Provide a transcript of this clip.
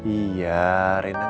iya rena gak